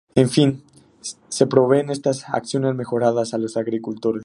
En fin, se proveen estas accesiones mejoradas a los agricultores.